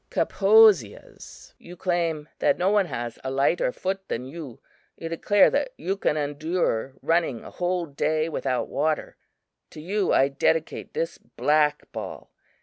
Kaposias, you claim that no one has a lighter foot than you; you declare that you can endure running a whole day without water. To you I dedicate this black ball.